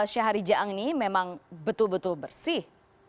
syahari jaang ini memang betul betul bersih